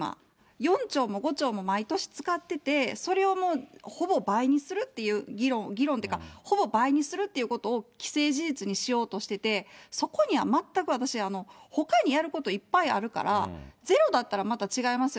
４兆も５兆も毎年使ってて、それをもうほぼ倍にするっていう議論、議論というか、ほぼ倍にするっていうことを既成事実にしようとしてて、そこには全く、私ほかにやることいっぱいあるから、ゼロだったらまた違いますよ。